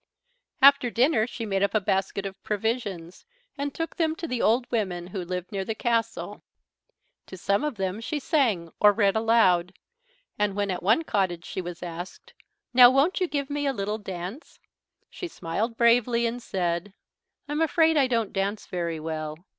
After dinner she made up a basket of provisions and took them to the old women who lived near the castle; to some of them she sang or read aloud, and when at one cottage she was asked, "Now won't you give me a little dance," she smiled bravely and said, "I'm afraid I don't dance very well."